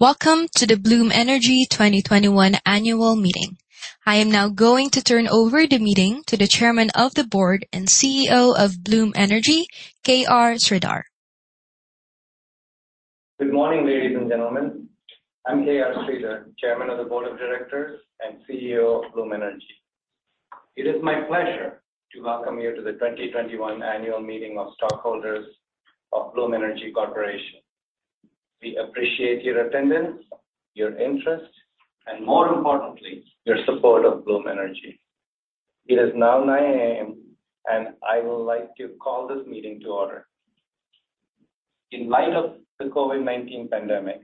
Welcome to the Bloom Energy 2021 annual meeting. I am now going to turn over the meeting to the Chairman of the Board and CEO of Bloom Energy, KR Sridhar. Good morning ladies and gentlemen. I'm KR Sridhar, Chairman of the Board of Directors and CEO of Bloom Energy. It is my pleasure to welcome you to the 2021 annual meeting of stockholders of Bloom Energy Corporation. We appreciate your attendance, your interest, and more importantly, your support of Bloom Energy. It is now 9:00 A.M., and I would like to call this meeting to order. In light of the COVID-19 pandemic,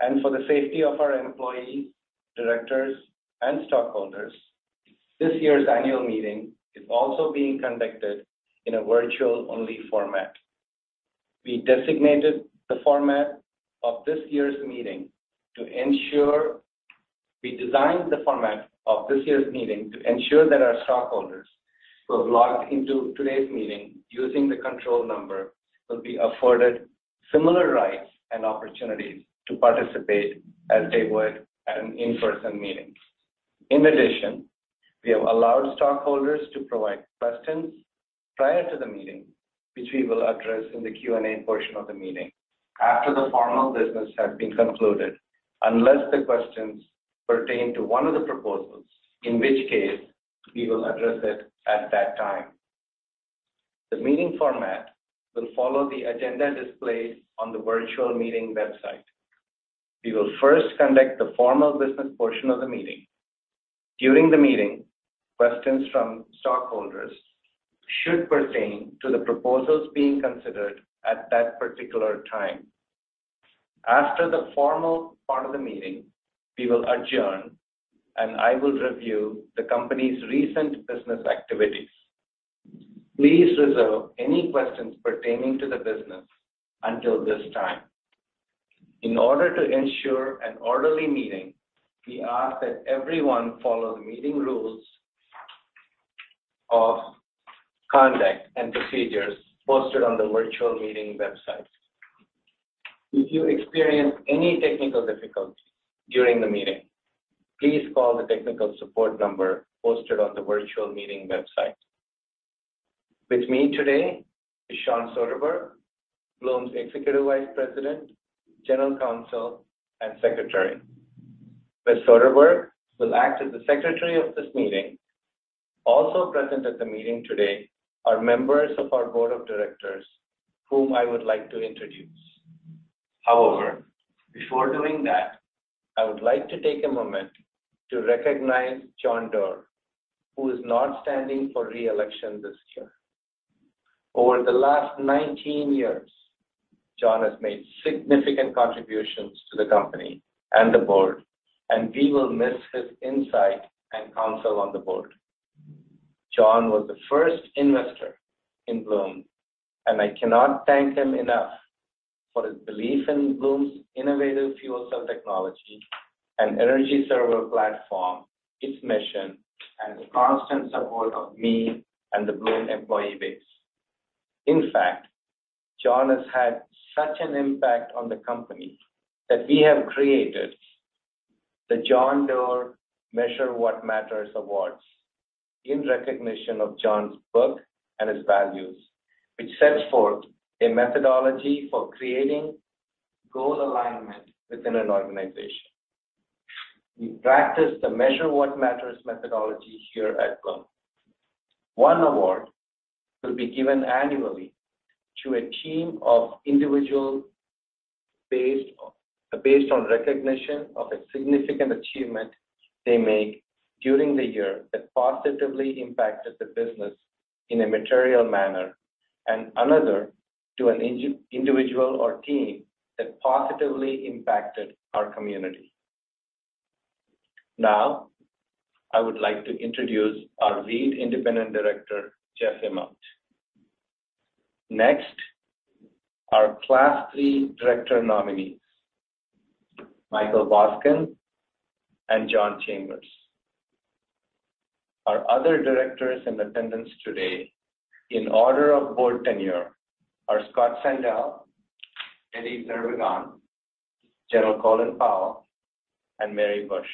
and for the safety of our employees, directors, and stockholders, this years annual meeting is also being conducted in a virtual-only format. We designated the format of this years meeting to ensure that our stockholders who have logged into today's meeting using the control number will be afforded similar rights and opportunities to participate as they would at an in-person meeting. In addition, we have allowed stockholders to provide questions prior to the meeting, which we will address in the Q&A portion of the meeting after the formal business has been concluded, unless the questions pertain to one of the proposals, in which case we will address it at that time. The meeting format will follow the agenda displayed on the virtual meeting website. We will first conduct the formal business portion of the meeting. During the meeting, questions from stockholders should pertain to the proposals being considered at that particular time. After the formal part of the meeting, we will adjourn, and I will review the company's recent business activities. Please reserve any questions pertaining to the business until this time. In order to ensure an orderly meeting, we ask that everyone follow the meeting rules of conduct and procedures posted on the virtual meeting website. If you experience any technical difficulties during the meeting, please call the technical support number posted on the virtual meeting website. With me today is Shawn Soderberg, Bloom's Executive Vice President, General Counsel, and Secretary. Ms. Soderberg will act as the Secretary of this meeting. Also present at the meeting today are members of our Board of Directors whom I would like to introduce. However, before doing that, I would like to take a moment to recognize John Doerr, who is not standing for reelection this year. Over the last 19 years, John has made significant contributions to the company and the board, and we will miss his insight and counsel on the board. John was the first investor in Bloom, and I cannot thank him enough for his belief in Bloom's innovative fuel cell technology, an energy server platform, its mission, and the constant support of me and the Bloom employee base. In fact, John has had such an impact on the company that we have created the John Doerr Measure What Matters awards in recognition of John's book and his values, which set forth a methodology for creating goal alignment within an organization. We practice the Measure What Matters methodology here at Bloom. One award will be given annually to a team of individuals based on recognition of a significant achievement they make during the year that positively impacted the business in a material manner, and another to an individual or team that positively impacted our community. Now, I would like to introduce our Lead Independent Director, Jeff Immelt. Next, our Class III Director nominees, Michael Boskin and John Chambers. Our other directors in attendance today, in order of Board tenure, are Scott Sandell, Eddy Zervigon, General Colin Powell, and Mary Bush.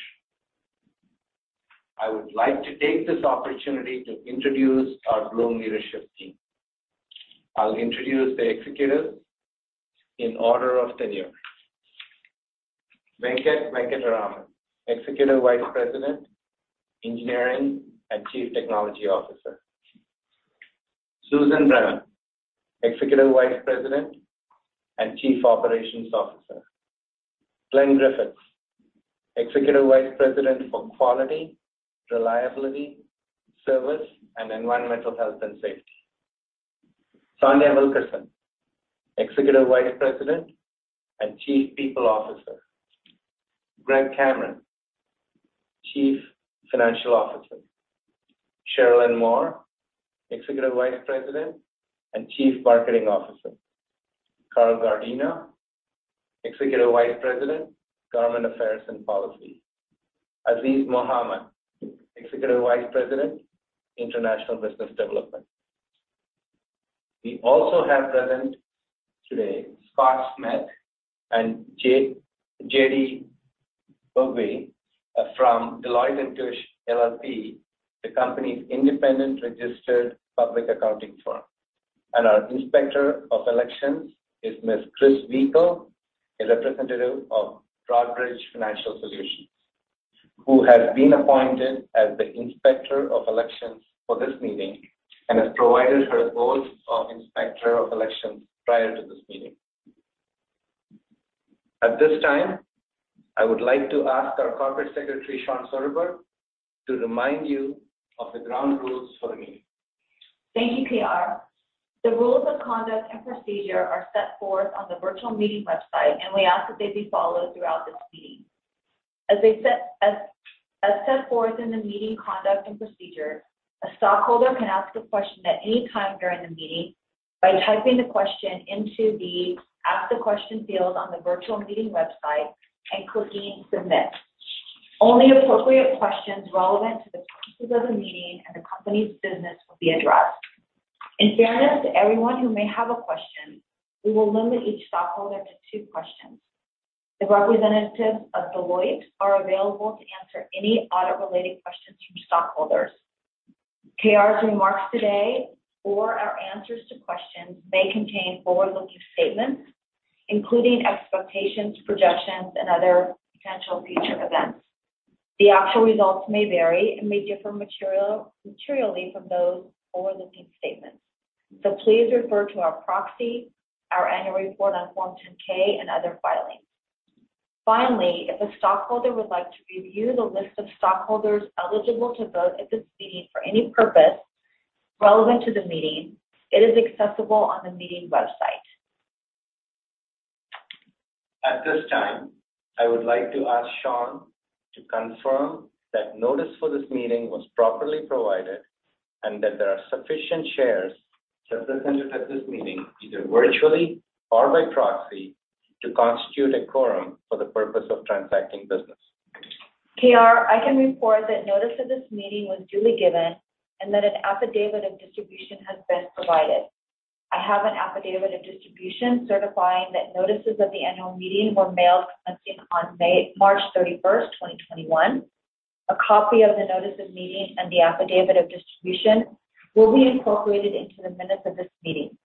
I would like to take this opportunity to introduce our Bloom Leadership Team. I'll introduce the executives in order of tenure. Venkat Venkataraman, Executive Vice President, Engineering and Chief Technology Officer. Susan Brennan, Executive Vice President and Chief Operations Officer. Glen Griffiths, Executive Vice President for Quality, Reliability, Service, and Environmental Health and Safety. Sonja Wilkerson, Executive Vice President and Chief People Officer. Greg Cameron, Chief Financial Officer. Sharelynn Moore, Executive Vice President and Chief Marketing Officer. Carl Guardino, Executive Vice President, Government Affairs and Policy. Azeez Mohammed, Executive Vice President, International Business Development. We also have present today Scott Smith and J.D. Bugby from Deloitte & Touche LLP, the company's independent registered public accounting firm. Our Inspector of Elections is Ms. Kris Vehicle, a representative of Broadridge Financial Solutions, who has been appointed as the Inspector of Elections for this meeting and has provided her report as Inspector of Elections prior to this meeting. At this time, I would like to ask our Corporate Secretary Shawn Soderberg to remind you of the ground rules for the meeting. Thank you KR. The rules of conduct and procedure are set forth on the virtual meeting website, and we ask that they be followed throughout this meeting. As set forth in the meeting conduct and procedure, a stockholder can ask a question at any time during the meeting by typing the question into the Ask the Question field on the virtual meeting website and clicking Submit. Only appropriate questions relevant to the purposes of the meeting and the company's business will be addressed. In fairness to everyone who may have a question, we will limit each stockholder to two questions. The representatives of Deloitte are available to answer any audit-related questions from stockholders. KR's remarks today or our answers to questions may contain forward-looking statements, including expectations, projections, and other potential future events. The actual results may vary and may differ materially from those forward-looking statements. So please refer to our proxy, our annual report on Form 10-K, and other filings. Finally, if a stockholder would like to review the list of stockholders eligible to vote at this meeting for any purpose relevant to the meeting, it is accessible on the meeting website. At this time, I would like to ask Shawn to confirm that notice for this meeting was properly provided and that there are sufficient shares represented at this meeting either virtually or by proxy to constitute a quorum for the purpose of transacting business. KR, I can report that notice of this meeting was duly given and that an affidavit of distribution has been provided. I have an affidavit of distribution certifying that notices of the annual meeting were mailed on March 31st, 2021. A copy of the notice of meeting and the affidavit of distribution will be incorporated into the minutes of this meeting.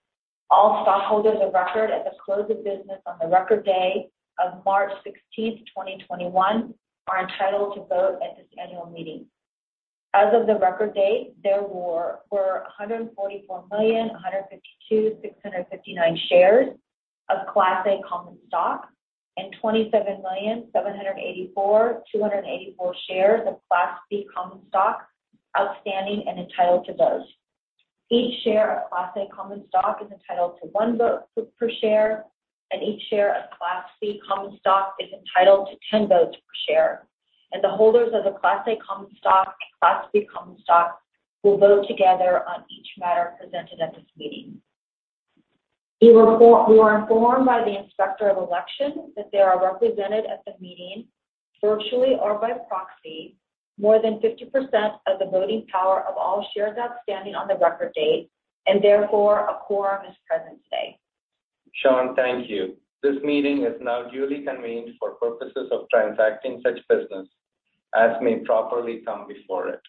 All stockholders of record at the close of business on the record date of March 16th, 2021, are entitled to vote at this annual meeting. As of the record date, there were 144,152,659 shares of Class A Common Stock and 27,784,284 shares of Class B Common Stock outstanding and entitled to vote. Each share of Class A Common Stock is entitled to one vote per share, and each share of Class B Common Stock is entitled to 10 votes per share. And the holders of the Class A Common Stock and Class B Common Stock will vote together on each matter presented at this meeting. We were informed by the Inspector of Elections that there are represented at the meeting virtually or by proxy more than 50% of the voting power of all shares outstanding on the record date, and therefore a quorum is present today. Shawn, thank you. This meeting is now duly convened for purposes of transacting such business as may properly come before it.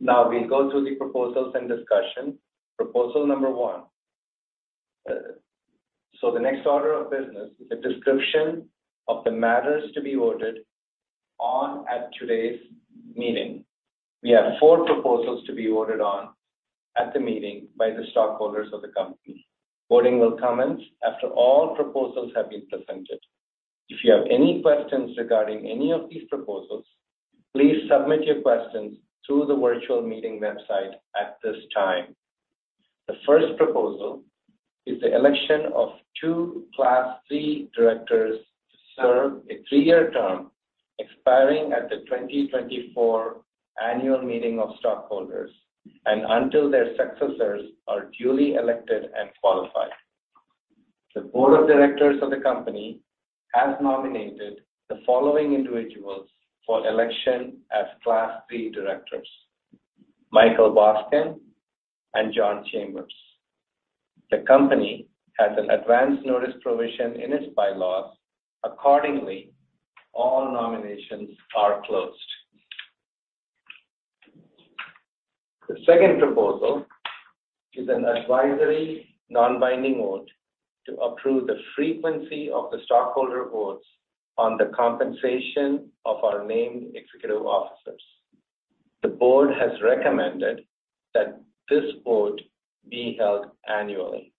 Now, we'll go through the proposals and discussion. Proposal number one. The next order of business is a description of the matters to be voted on at today's meeting. We have four proposals to be voted on at the meeting by the stockholders of the company. Voting will commence after all proposals have been presented. If you have any questions regarding any of these proposals, please submit your questions through the virtual meeting website at this time. The first proposal is the election of two Class III Directors to serve a three-year term expiring at the 2024 annual meeting of stockholders and until their successors are duly elected and qualified. The Board of Directors of the company has nominated the following individuals for election as Class III Directors: Michael Boskin and John Chambers. The company has an advance notice provision in its bylaws. Accordingly, all nominations are closed. The second proposal is an advisory non-binding vote to approve the frequency of the stockholder votes on the compensation of our named executive officers. The Board has recommended that this vote be held annually.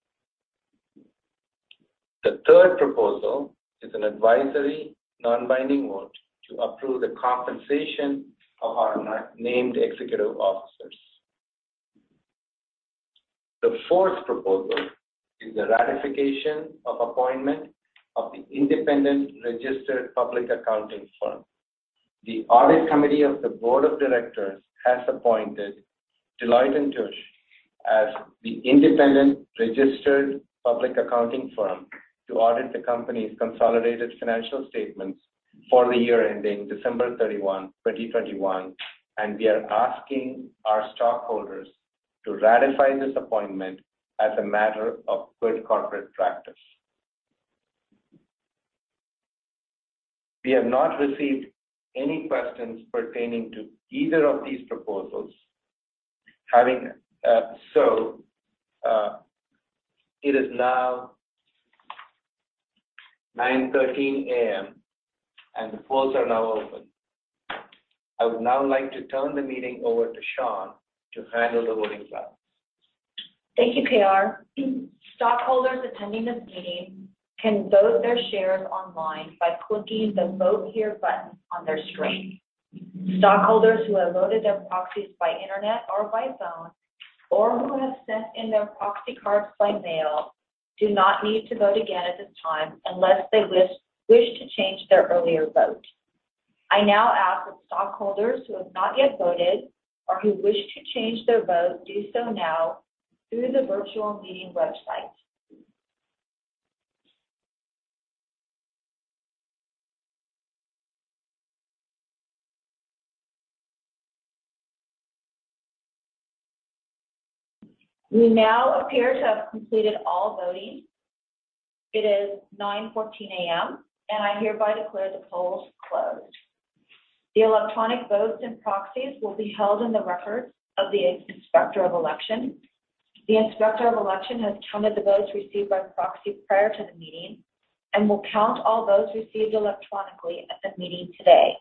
The third proposal is an advisory non-binding vote to approve the compensation of our named executive officers. The fourth proposal is the ratification of appointment of the independent registered public accounting firm. The audit committee of the Board of Directors has appointed Deloitte & Touche as the independent registered public accounting firm to audit the company's consolidated financial statements for the year ending December 31, 2021, and we are asking our stockholders to ratify this appointment as a matter of good corporate practice. We have not received any questions pertaining to either of these proposals. So it is now 9:13 A.M., and the polls are now open. I would now like to turn the meeting over to Shawn to handle the voting process. Thank you KR. Stockholders attending this meeting can vote their shares online by clicking the Vote Here button on their screen. Stockholders who have voted their proxies by internet or by phone or who have sent in their proxy cards by mail do not need to vote again at this time unless they wish to change their earlier vote. I now ask that stockholders who have not yet voted or who wish to change their vote do so now through the virtual meeting website. We now appear to have completed all voting. It is 9:14 A.M., and I hereby declare the polls closed. The electronic votes and proxies will be held in the records of the Inspector of Elections. The Inspector of Elections has counted the votes received by proxy prior to the meeting and will count all votes received electronically at the meeting today.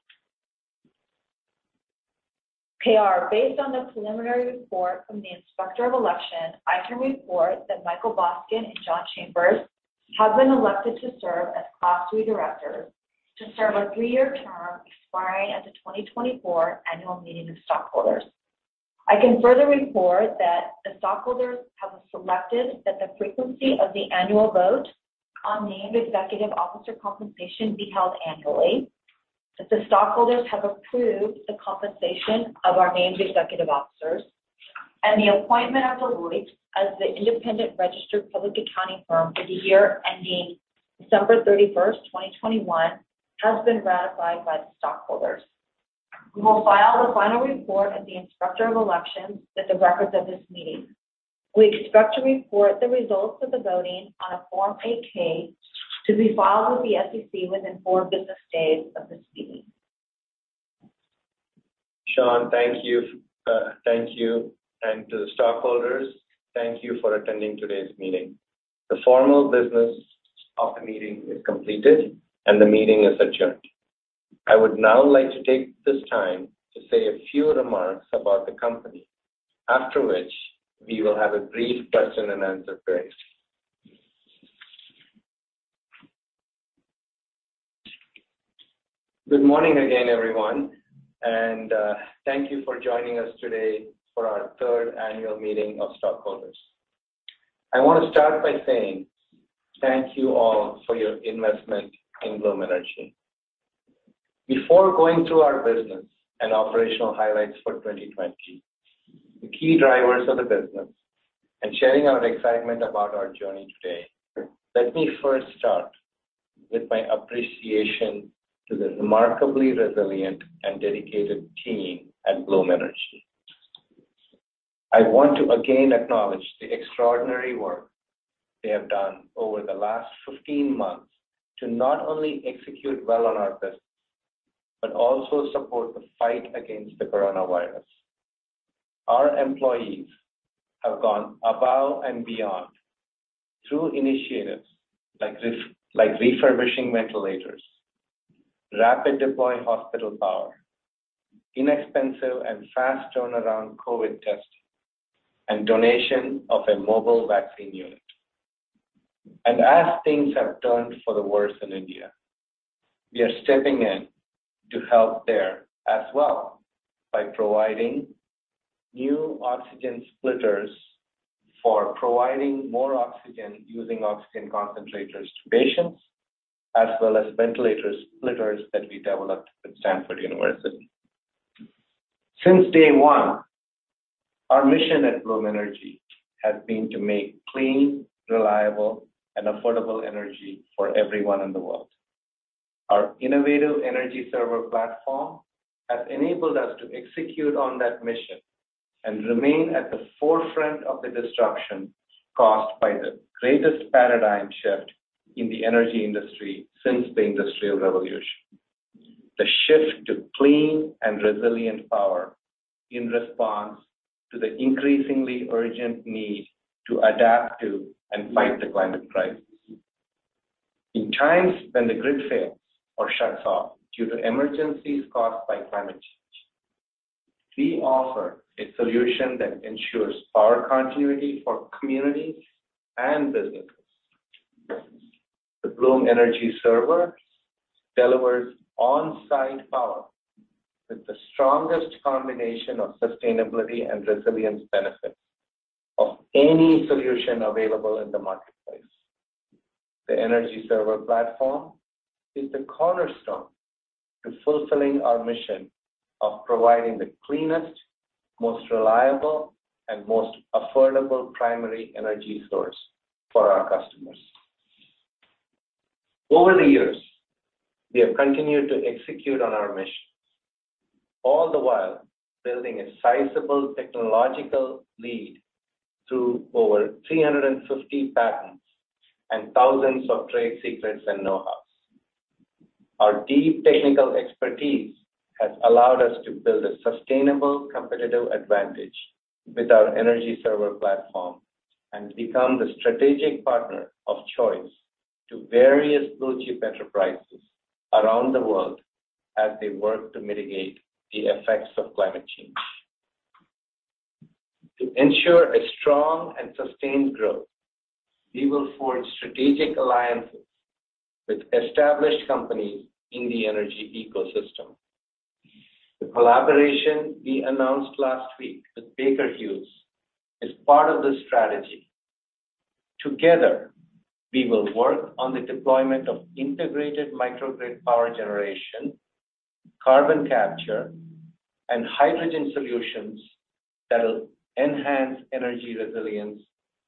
KR, based on the preliminary report from the Inspector of Elections, I can report that Michael Boskin and John Chambers have been elected to serve as Class III Directors to serve a three-year term expiring at the 2024 annual meeting of stockholders. I can further report that the stockholders have selected that the frequency of the annual vote on named Executive Officer compensation be held annually, that the stockholders have approved the compensation of our named Executive Officers, and the appointment of Deloitte as the independent registered public accounting firm for the year ending December 31st, 2021, has been ratified by the stockholders. We will file the final report of the Inspector of Elections in the records of this meeting. We expect to report the results of the voting on a Form 8-K to be filed with the SEC within four business days of this meeting. Shawn thank you. Thank you. And to the stockholders, thank you for attending today's meeting. The formal business of the meeting is completed, and the meeting is adjourned. I would now like to take this time to say a few remarks about the company, after which we will have a brief question and answer break. Good morning again, everyone, and thank you for joining us today for our third annual meeting of stockholders. I want to start by saying thank you all for your investment in Bloom Energy. Before going through our business and operational highlights for 2020, the key drivers of the business, and sharing our excitement about our journey today, let me first start with my appreciation to the remarkably resilient and dedicated team at Bloom Energy. I want to again acknowledge the extraordinary work they have done over the last 15 months to not only execute well on our business but also support the fight against the coronavirus. Our employees have gone above and beyond through initiatives like refurbishing ventilators, rapid deploy of hospital power, inexpensive and fast turnaround COVID testing, and donation of a mobile vaccine unit. And as things have turned for the worse in India, we are stepping in to help there as well by providing new oxygen splitters for providing more oxygen using oxygen concentrators to patients, as well as ventilator splitters that we developed at Stanford University. Since day one, our mission at Bloom Energy has been to make clean, reliable, and affordable energy for everyone in the world. Our innovative Energy Server platform has enabled us to execute on that mission and remain at the forefront of the disruption caused by the greatest paradigm shift in the energy industry since the Industrial Revolution: the shift to clean and resilient power in response to the increasingly urgent need to adapt to and fight the climate crisis. In times when the grid fails or shuts off due to emergencies caused by climate change, we offer a solution that ensures power continuity for communities and businesses. The Bloom Energy Server delivers on-site power with the strongest combination of sustainability and resilience benefits of any solution available in the marketplace. The Energy Server platform is the cornerstone to fulfilling our mission of providing the cleanest, most reliable, and most affordable primary energy source for our customers. Over the years, we have continued to execute on our mission, all the while building a sizable technological lead through over 350 patents and thousands of trade secrets and know-hows. Our deep technical expertise has allowed us to build a sustainable competitive advantage with our energy server platform and become the strategic partner of choice to various blue-chip enterprises around the world as they work to mitigate the effects of climate change. To ensure a strong and sustained growth, we will forge strategic alliances with established companies in the energy ecosystem. The collaboration we announced last week with Baker Hughes is part of this strategy. Together, we will work on the deployment of integrated microgrid power generation, carbon capture, and hydrogen solutions that will enhance energy resilience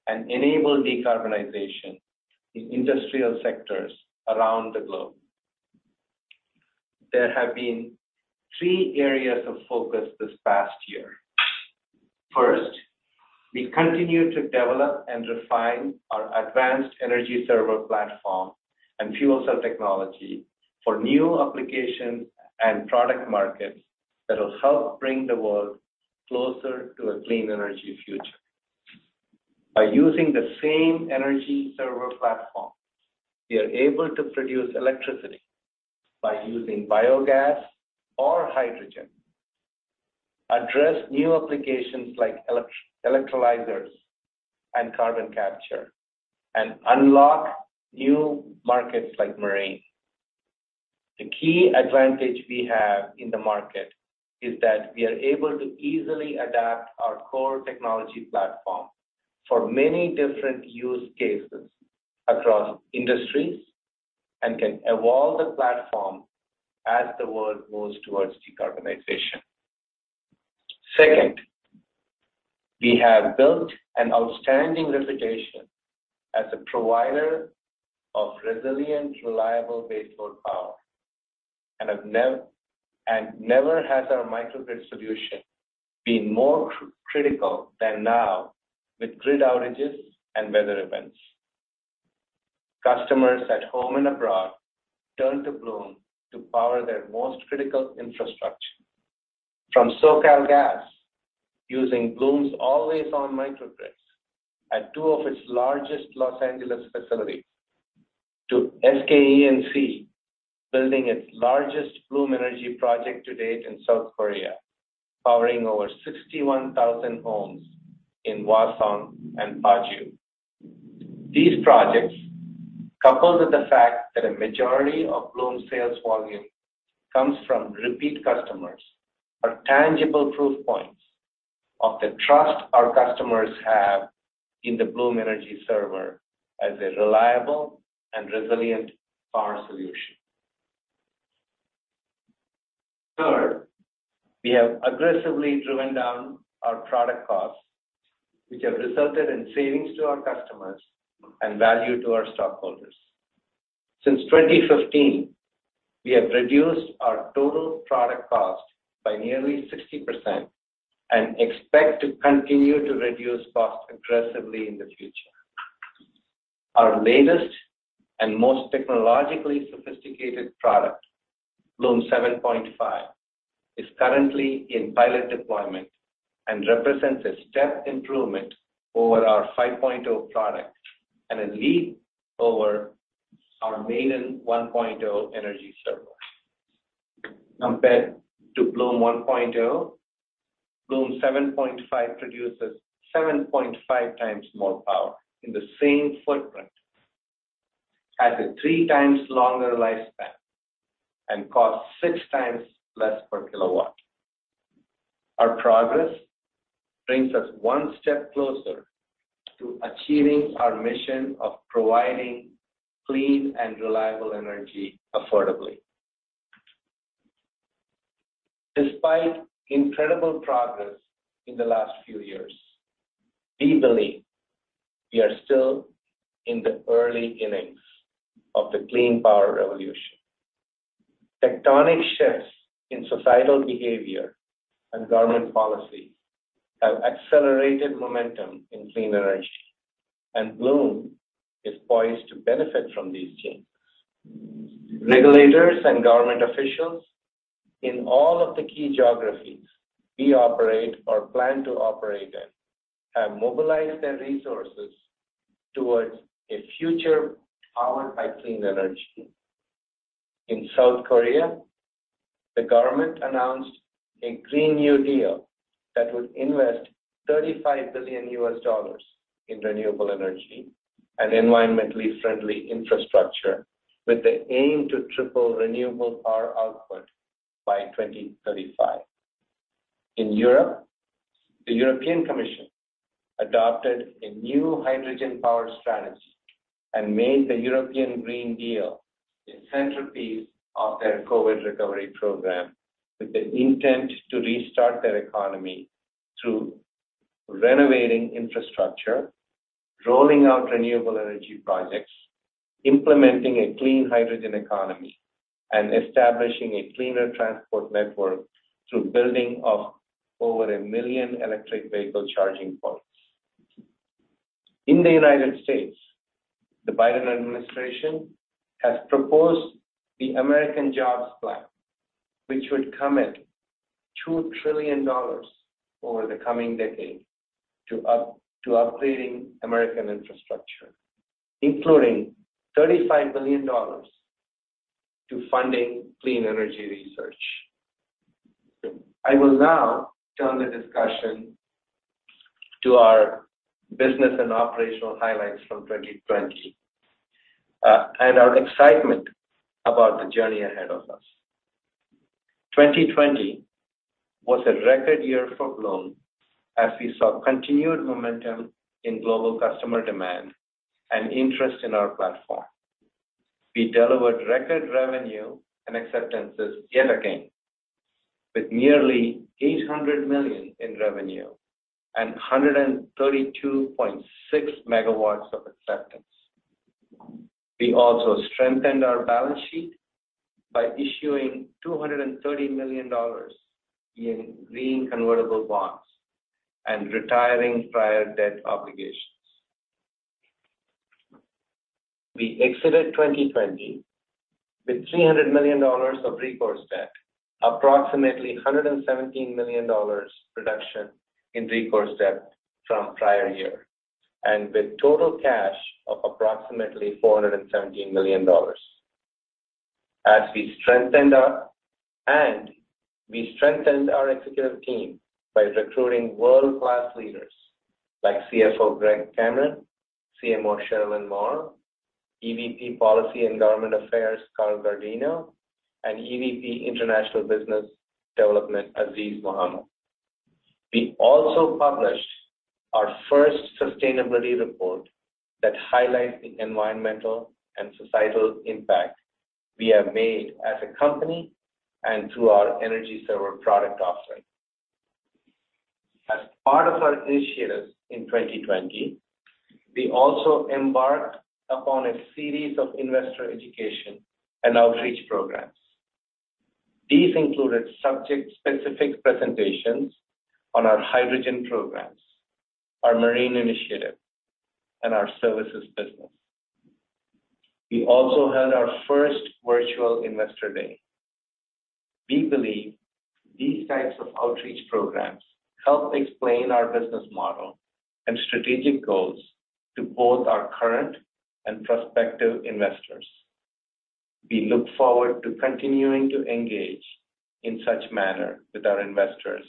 and enable decarbonization in industrial sectors around the globe. There have been three areas of focus this past year. First, we continue to develop and refine our advanced energy server platform and fuel cell technology for new applications and product markets that will help bring the world closer to a clean energy future. By using the same energy server platform, we are able to produce electricity by using biogas or hydrogen, address new applications like electrolyzers and carbon capture, and unlock new markets like marine. The key advantage we have in the market is that we are able to easily adapt our core technology platform for many different use cases across industries and can evolve the platform as the world moves towards decarbonization. Second, we have built an outstanding reputation as a provider of resilient, reliable baseload power, and never has our microgrid solution been more critical than now with grid outages and weather events. Customers at home and abroad turn to Bloom to power their most critical infrastructure, from SoCalGas using Bloom's always-on microgrids at two of its largest Los Angeles facilities to SK E&C building its largest Bloom Energy project to date in South Korea, powering over 61,000 homes in Hwaseong and Paju. These projects, coupled with the fact that a majority of Bloom's sales volume comes from repeat customers, are tangible proof points of the trust our customers have in the Bloom Energy server as a reliable and resilient power solution. Third, we have aggressively driven down our product costs, which have resulted in savings to our customers and value to our stockholders. Since 2015, we have reduced our total product cost by nearly 60% and expect to continue to reduce costs aggressively in the future. Our latest and most technologically sophisticated product, Bloom 7.5, is currently in pilot deployment and represents a step improvement over our 5.0 product and a leap over our Bloom 1.0 energy server. Compared to Bloom 1.0, Bloom 7.5 produces 7.5 times more power in the same footprint, has a three times longer lifespan, and costs six times less per kilowatt. Our progress brings us one step closer to achieving our mission of providing clean and reliable energy affordably. Despite incredible progress in the last few years, we believe we are still in the early innings of the clean power revolution. Tectonic shifts in societal behavior and government policy have accelerated momentum in clean energy, and Bloom is poised to benefit from these changes. Regulators and government officials in all of the key geographies we operate or plan to operate in have mobilized their resources towards a future powered by clean energy. In South Korea, the government announced a Green New Deal that would invest $35 billion in renewable energy and environmentally friendly infrastructure with the aim to triple renewable power output by 2035. In Europe, the European Commission adopted a new hydrogen power strategy and made the European Green Deal the centerpiece of their COVID recovery program with the intent to restart their economy through renovating infrastructure, rolling out renewable energy projects, implementing a clean hydrogen economy, and establishing a cleaner transport network through building of over a million electric vehicle charging points. In the United States, the Biden administration has proposed the American Jobs Plan, which would commit $2 trillion over the coming decade to upgrading American infrastructure, including $35 billion to funding clean energy research. I will now turn the discussion to our business and operational highlights from 2020 and our excitement about the journey ahead of us. 2020 was a record year for Bloom as we saw continued momentum in global customer demand and interest in our platform. We delivered record revenue and acceptances yet again, with nearly $800 million in revenue and 132.6 megawatts of acceptance. We also strengthened our balance sheet by issuing $230 million in green convertible bonds and retiring prior debt obligations. We exited 2020 with $300 million of recourse debt, approximately $117 million reduction in recourse debt from prior year, and with total cash of approximately $417 million. As we strengthened our executive team by recruiting world-class leaders like CFO Greg Cameron, CMO Sharelynn Moore, EVP Policy and Government Affairs Carl Guardino, and EVP International Business Development Azeez Mohammed. We also published our first sustainability report that highlights the environmental and societal impact we have made as a company and through our energy server product offering. As part of our initiatives in 2020, we also embarked upon a series of investor education and outreach programs. These included subject-specific presentations on our hydrogen programs, our marine initiative, and our services business. We also held our first virtual investor day. We believe these types of outreach programs help explain our business model and strategic goals to both our current and prospective investors. We look forward to continuing to engage in such manner with our investors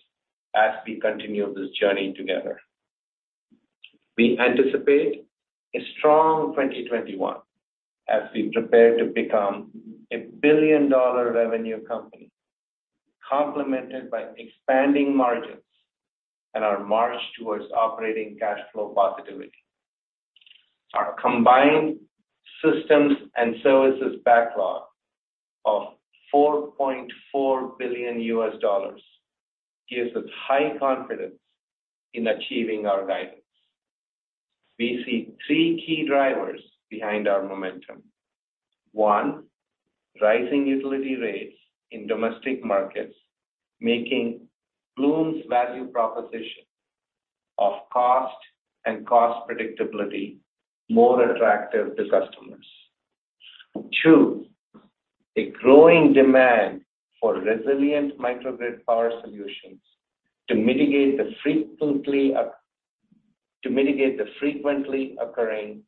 as we continue this journey together. We anticipate a strong 2021 as we prepare to become a billion-dollar revenue company, complemented by expanding margins and our march towards operating cash flow positivity. Our combined systems and services backlog of $4.4 billion gives us high confidence in achieving our guidance. We see three key drivers behind our momentum. One, rising utility rates in domestic markets making Bloom's value proposition of cost and cost predictability more attractive to customers. Two, a growing demand for resilient microgrid power solutions to mitigate the frequently occurring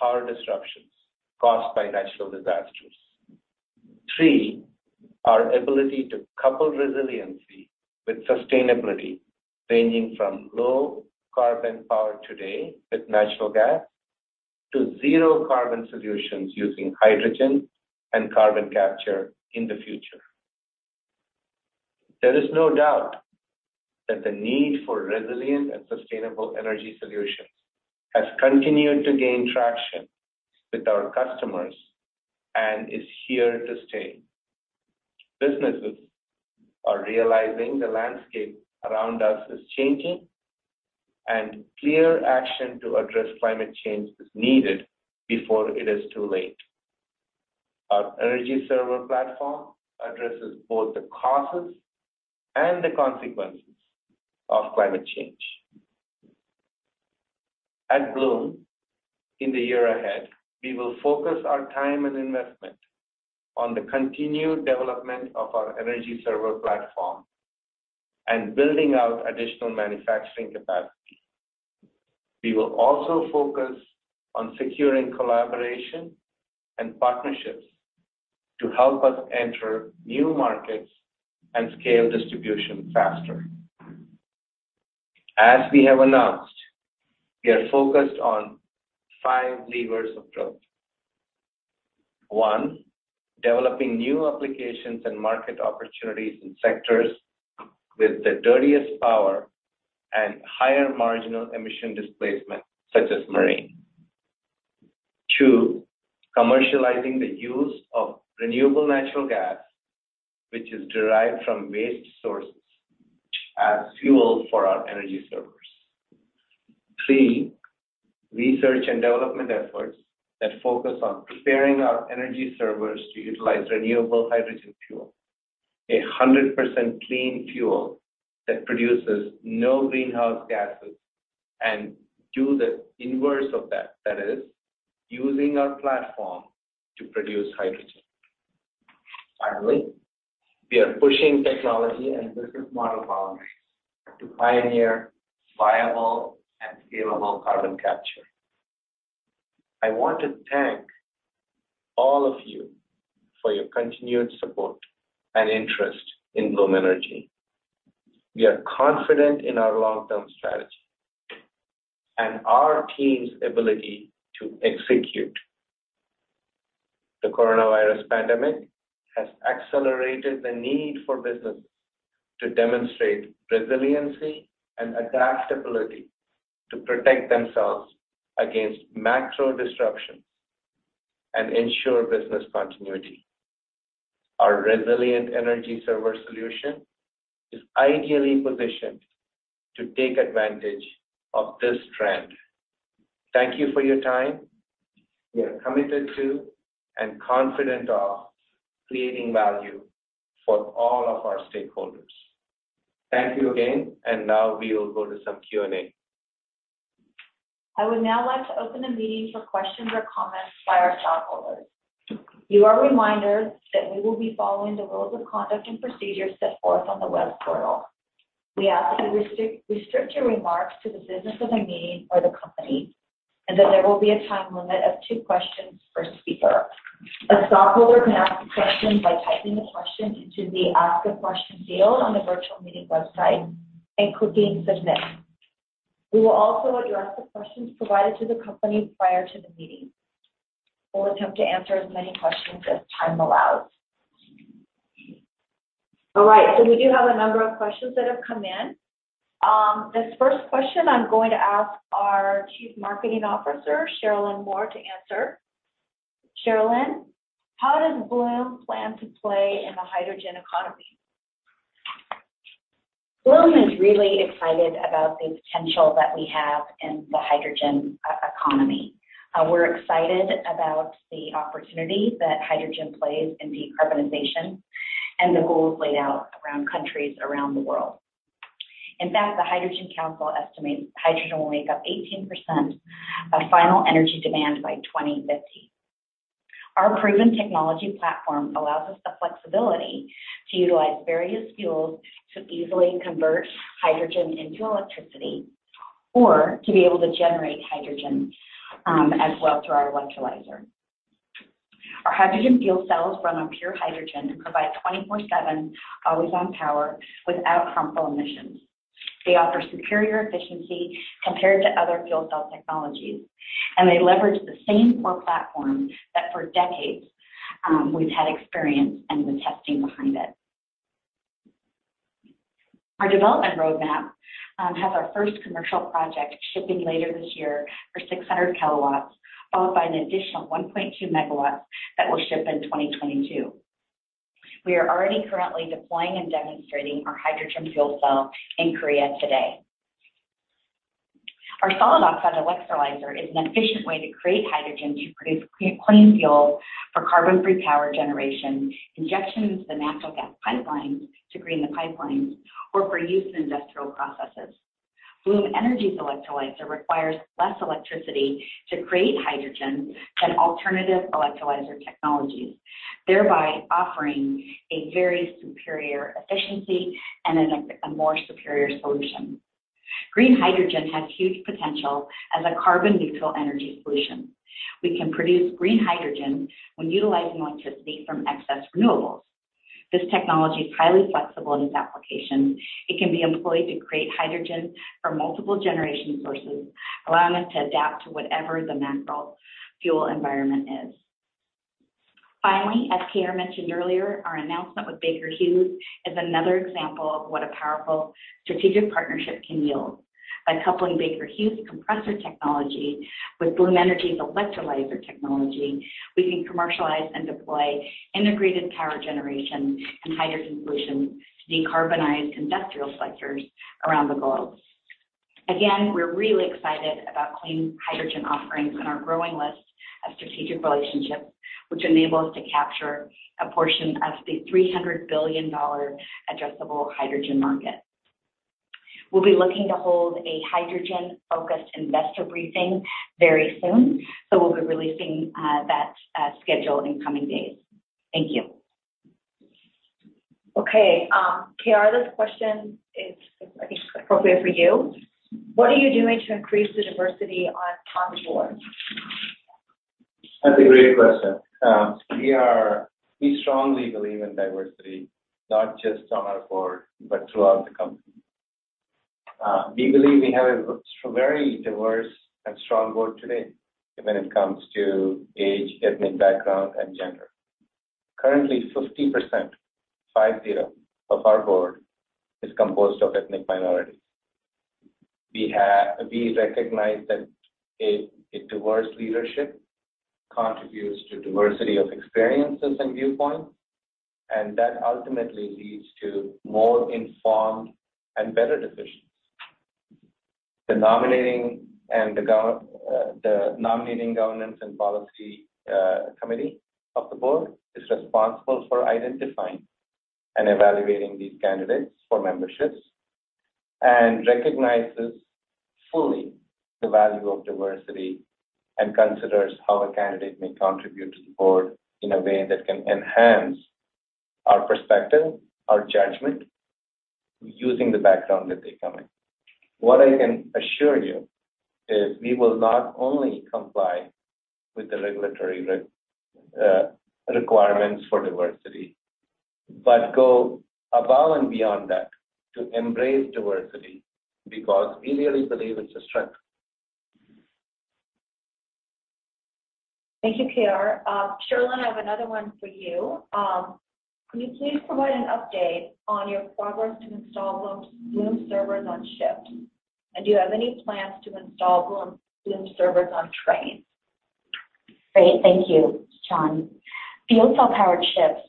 power disruptions caused by natural disasters. Three, our ability to couple resiliency with sustainability ranging from low carbon power today with natural gas to zero carbon solutions using hydrogen and carbon capture in the future. There is no doubt that the need for resilient and sustainable energy solutions has continued to gain traction with our customers and is here to stay. Businesses are realizing the landscape around us is changing, and clear action to address climate change is needed before it is too late. Our energy server platform addresses both the causes and the consequences of climate change. At Bloom, in the year ahead, we will focus our time and investment on the continued development of our energy server platform and building out additional manufacturing capacity. We will also focus on securing collaboration and partnerships to help us enter new markets and scale distribution faster. As we have announced, we are focused on five levers of growth. One, developing new applications and market opportunities in sectors with the dirtiest power and higher marginal emission displacement, such as marine. Two, commercializing the use of renewable natural gas, which is derived from waste sources, as fuel for our energy servers. Three, research and development efforts that focus on preparing our energy servers to utilize renewable hydrogen fuel, a 100% clean fuel that produces no greenhouse gases and do the inverse of that, that is, using our platform to produce hydrogen. Finally, we are pushing technology and business model boundaries to pioneer viable and scalable carbon capture. I want to thank all of you for your continued support and interest in Bloom Energy. We are confident in our long-term strategy and our team's ability to execute. The coronavirus pandemic has accelerated the need for businesses to demonstrate resiliency and adaptability to protect themselves against macro disruptions and ensure business continuity. Our resilient energy server solution is ideally positioned to take advantage of this trend. Thank you for your time. We are committed to and confident of creating value for all of our stakeholders. Thank you again, and now we will go to some Q&A. I would now like to open the meeting for questions or comments by our stockholders. You are reminded that we will be following the rules of conduct and procedure set forth on the web portal. We ask that you restrict your remarks to the business of the meeting or the company, and that there will be a time limit of two questions per speaker. A stockholder can ask a question by typing the question into the Ask a Question field on the virtual meeting website, including Submit. We will also address the questions provided to the company prior to the meeting. We'll attempt to answer as many questions as time allows. All right, so we do have a number of questions that have come in. This first question I'm going to ask our Chief Marketing Officer, Sharelynn Moore, to answer. Sharelynn, how does Bloom plan to play in the hydrogen economy? Bloom is really excited about the potential that we have in the hydrogen economy. We're excited about the opportunity that hydrogen plays in decarbonization and the goals laid out around countries around the world. In fact, the Hydrogen Council estimates hydrogen will make up 18% of final energy demand by 2050. Our proven technology platform allows us the flexibility to utilize various fuels to easily convert hydrogen into electricity or to be able to generate hydrogen as well through our electrolyzer. Our hydrogen fuel cells run on pure hydrogen and provide 24/7, always on power without harmful emissions. They offer superior efficiency compared to other fuel cell technologies, and they leverage the same core platform that for decades we've had experience and the testing behind it. Our development roadmap has our first commercial project shipping later this year for 600 kilowatts, followed by an additional 1.2 megawatts that will ship in 2022. We are already currently deploying and demonstrating our hydrogen fuel cell in Korea today. Our solid oxide electrolyzer is an efficient way to create hydrogen to produce clean fuel for carbon-free power generation, injection into the natural gas pipelines to green the pipelines, or for use in industrial processes. Bloom Energy's electrolyzer requires less electricity to create hydrogen than alternative electrolyzer technologies, thereby offering a very superior efficiency and a more superior solution. Green hydrogen has huge potential as a carbon-neutral energy solution. We can produce green hydrogen when utilizing electricity from excess renewables. This technology is highly flexible in its application. It can be employed to create hydrogen from multiple generation sources, allowing us to adapt to whatever the macro fuel environment is. Finally, as Cameron mentioned earlier, our announcement with Baker Hughes is another example of what a powerful strategic partnership can yield. By coupling Baker Hughes compressor technology with Bloom Energy's electrolyzer technology, we can commercialize and deploy integrated power generation and hydrogen solutions to decarbonize industrial sectors around the globe. Again, we're really excited about clean hydrogen offerings and our growing list of strategic relationships, which enable us to capture a portion of the $300 billion addressable hydrogen market. We'll be looking to hold a hydrogen-focused investor briefing very soon, so we'll be releasing that schedule in coming days. Thank you. Okay KR, this question is, I think, appropriate for you. What are you doing to increase the diversity on the board? That's a great question. We strongly believe in diversity, not just on our board, but throughout the company. We believe we have a very diverse and strong board today when it comes to age, ethnic background, and gender. Currently, 50% of our board is composed of ethnic minorities. We recognize that diverse leadership contributes to diversity of experiences and viewpoints, and that ultimately leads to more informed and better decisions. The Nominating Governance and Policy Committee of the Board is responsible for identifying and evaluating these candidates for membership and recognizes fully the value of diversity and considers how a candidate may contribute to the board in a way that can enhance our perspective, our judgment, using the background that they come in. What I can assure you is we will not only comply with the regulatory requirements for diversity, but go above and beyond that to embrace diversity because we really believe it's a strength. Thank you KR. Sharelynn, I have another one for you. Can you please provide an update on your progress to install Bloom servers on ships, and do you have any plans to install Bloom servers on trains? Great, thank you, Shawn. Fuel cell-powered ships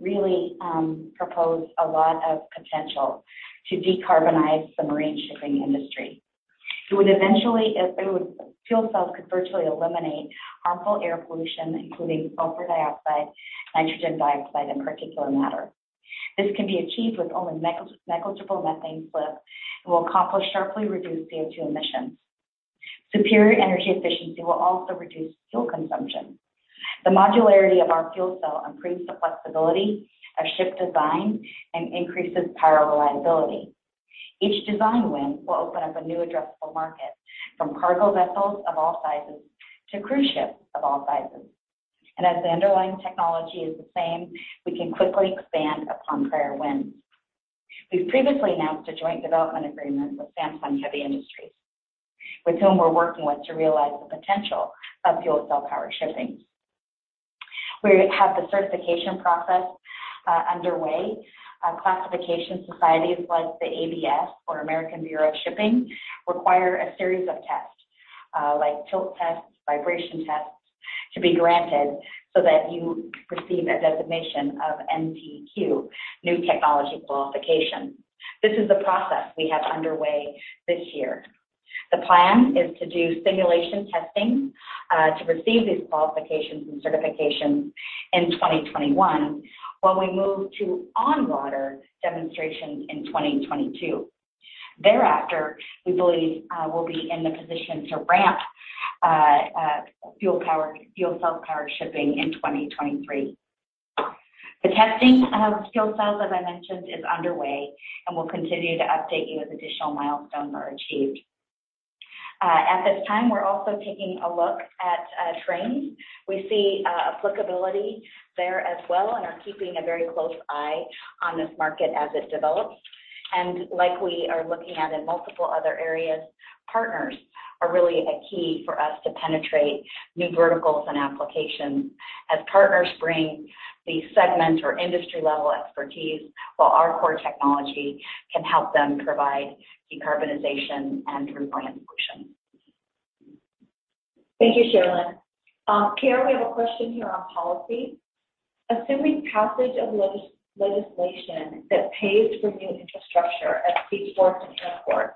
really propose a lot of potential to decarbonize the marine shipping industry. It would eventually. Fuel cells could virtually eliminate harmful air pollution, including sulfur dioxide, nitrogen dioxide, and particulate matter. This can be achieved with only negligible methane slip and will accomplish sharply reduced CO2 emissions. Superior energy efficiency will also reduce fuel consumption. The modularity of our fuel cell improves the flexibility of ship design and increases power reliability. Each design win will open up a new addressable market from cargo vessels of all sizes to cruise ships of all sizes. And as the underlying technology is the same, we can quickly expand upon prior wins. We've previously announced a joint development agreement with Samsung Heavy Industries, with whom we're working to realize the potential of fuel cell-powered shipping. We have the certification process underway. Classification societies like the ABS, or American Bureau of Shipping, require a series of tests, like tilt tests, vibration tests, to be granted so that you receive a designation of NTQ, New Technology Qualification. This is the process we have underway this year. The plan is to do simulation testing to receive these qualifications and certifications in 2021, while we move to on-water demonstrations in 2022. Thereafter, we believe we'll be in the position to ramp fuel cell-powered shipping in 2023. The testing of fuel cells, as I mentioned, is underway and will continue to update you as additional milestones are achieved. At this time, we're also taking a look at trains. We see applicability there as well and are keeping a very close eye on this market as it develops. And like we are looking at in multiple other areas, partners are really a key for us to penetrate new verticals and applications as partners bring the segment or industry-level expertise while our core technology can help them provide decarbonization and refinance solutions. Thank you Sharelynn. KR, we have a question here on policy. Assuming passage of legislation that pays for new infrastructure at seaports and airports,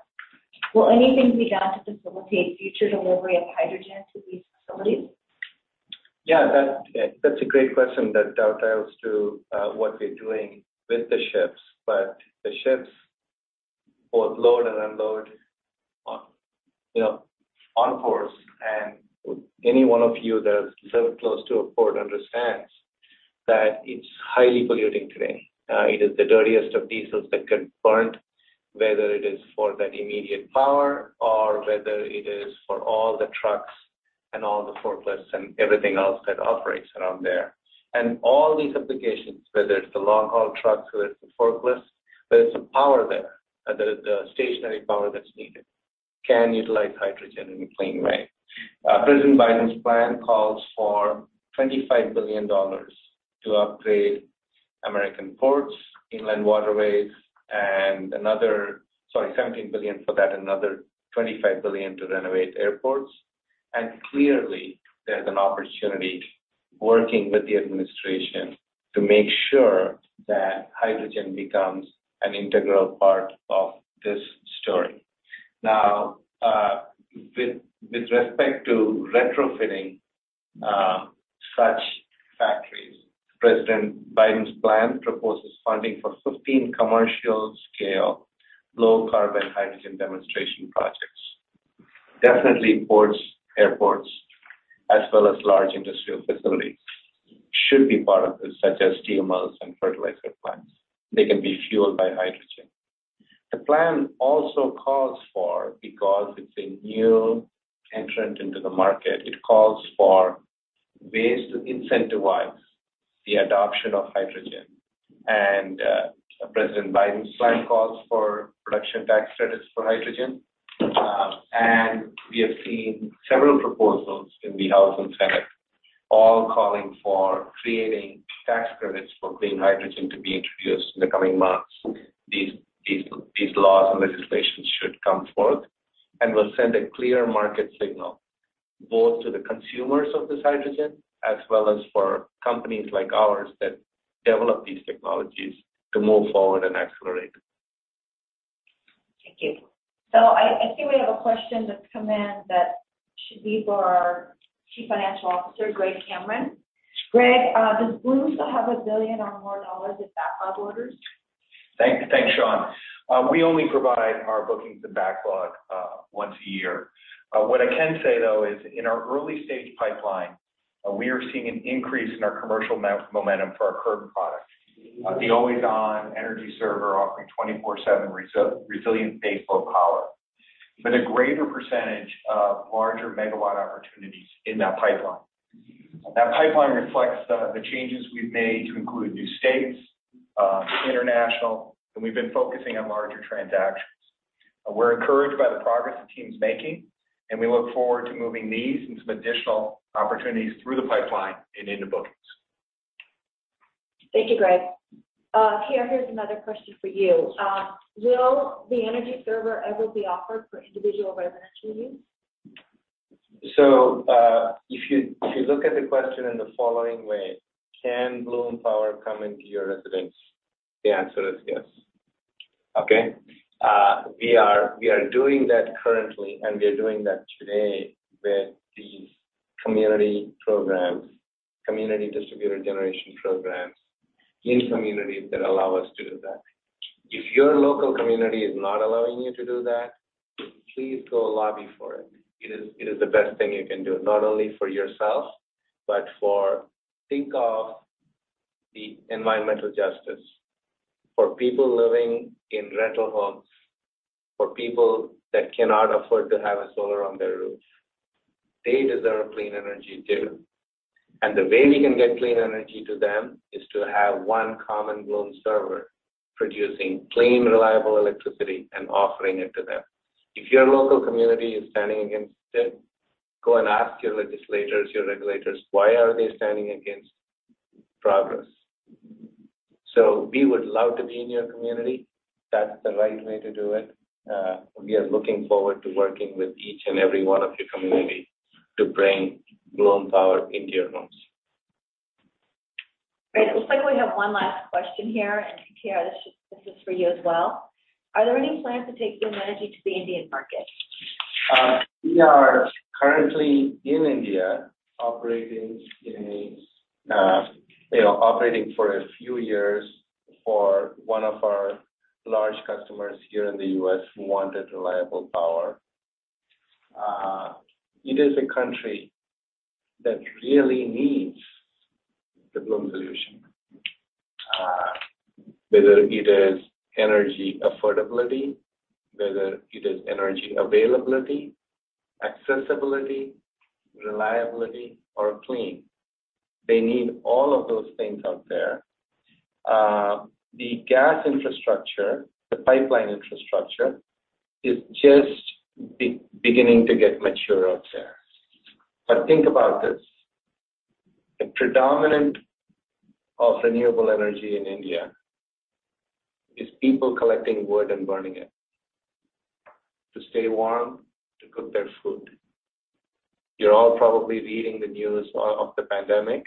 will anything be done to facilitate future delivery of hydrogen to these facilities? Yeah, that's a great question that dovetails to what we're doing with the ships. But the ships, both load and unload on ports, and any one of you that has lived close to a port understands that it's highly polluting today. It is the dirtiest of diesels that get burned, whether it is for that immediate power or whether it is for all the trucks and all the forklifts and everything else that operates around there. And all these applications, whether it's the long-haul trucks, whether it's the forklifts, whether it's the power there, the stationary power that's needed, can utilize hydrogen in a clean way. President Biden's plan calls for $25 billion to upgrade American ports, inland waterways, and another, sorry, $17 billion for that, another $25 billion to renovate airports. And clearly, there's an opportunity working with the administration to make sure that hydrogen becomes an integral part of this story. Now, with respect to retrofitting such factories, President Biden's plan proposes funding for 15 commercial-scale, low-carbon hydrogen demonstration projects. Definitely, ports, airports, as well as large industrial facilities should be part of this, such as TMLs and fertilizer plants. They can be fueled by hydrogen. The plan also calls for, because it's a new entrant into the market, it calls for ways to incentivize the adoption of hydrogen, and President Biden's plan calls for production tax credits for hydrogen, and we have seen several proposals in the House and Senate all calling for creating tax credits for green hydrogen to be introduced in the coming months. These laws and legislations should come forth and will send a clear market signal both to the consumers of this hydrogen as well as for companies like ours that develop these technologies to move forward and accelerate. Thank you. So I think we have a question that's come in that should be for our Chief Financial Officer, Greg Cameron. Greg, does Bloom still have $1 billion or more in backlog orders? Thanks, Shawn. We only provide our bookings and backlog once a year. What I can say, though, is in our early-stage pipeline, we are seeing an increase in our commercial momentum for our current product, the always-on energy server offering 24/7 resilient baseload power. But a greater percentage of larger megawatt opportunities in that pipeline. That pipeline reflects the changes we've made to include new states, international, and we've been focusing on larger transactions. We're encouraged by the progress the team's making, and we look forward to moving these and some additional opportunities through the pipeline and into bookings. Thank you Greg. KR, here's another question for you. Will the Energy Server ever be offered for individual residential use? So if you look at the question in the following way, can Bloom Power come into your residence? The answer is yes. Okay? We are doing that currently, and we are doing that today with these community programs, community distributed generation programs in communities that allow us to do that. If your local community is not allowing you to do that, please go lobby for it. It is the best thing you can do, not only for yourself, but for—think of the environmental justice for people living in rental homes, for people that cannot afford to have a solar on their roof. They deserve clean energy too, and the way we can get clean energy to them is to have one common Bloom Server producing clean, reliable electricity and offering it to them. If your local community is standing against it, go and ask your legislators, your regulators, why are they standing against progress? So we would love to be in your community. That's the right way to do it. We are looking forward to working with each and every one of your communities to bring Bloom Power into your homes. Great. Looks like we have one last question here and KR this is for you as well. Are there any plans to take Bloom Energy to the Indian market? We are currently in India, operating for a few years for one of our large customers here in the US who wanted reliable power. It is a country that really needs the Bloom solution, whether it is energy affordability, whether it is energy availability, accessibility, reliability, or clean. They need all of those things out there. The gas infrastructure, the pipeline infrastructure, is just beginning to get mature out there. But think about this. The predominant form of renewable energy in India is people collecting wood and burning it to stay warm, to cook their food. You're all probably reading the news of the pandemic.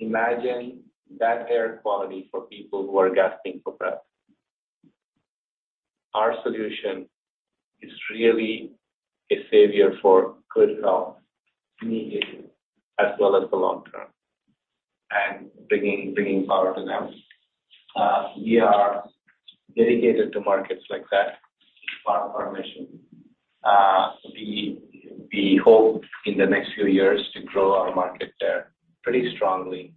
Imagine that air quality for people who are gasping for breath. Our solution is really a savior for good health immediately as well as the long term and bringing power to them. We are dedicated to markets like that. It's part of our mission. We hope in the next few years to grow our market there pretty strongly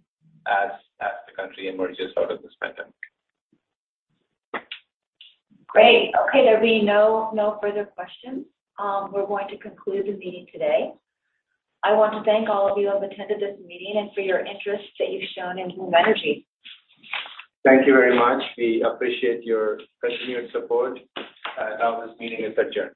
as the country emerges out of this pandemic. Great. Okay, there are no further questions. We're going to conclude the meeting today. I want to thank all of you who have attended this meeting and for your interest that you've shown in Bloom Energy. Thank you very much. We appreciate your continued support. I'll end this meeting. Adjourned.